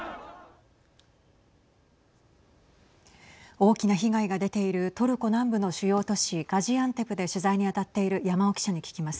大きな被害が出ているトルコ南部の主要都市ガジアンテプで取材に当たっている山尾記者に聞きます。